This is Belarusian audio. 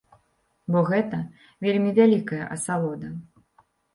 Бо гэта вельмі вялікая асалода.